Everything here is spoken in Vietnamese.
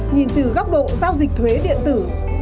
nhìn từ góc độ giao dịch thuế điện tử